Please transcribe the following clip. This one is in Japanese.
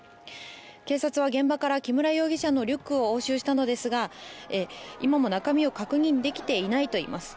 警察は現場から木村容疑者のリュックを押収したのですが今も中身を確認できていないといいます。